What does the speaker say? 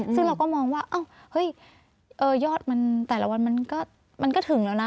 ซึ่งเราก็มองว่าเฮ้ยยอดมันแต่ละวันมันก็ถึงแล้วนะ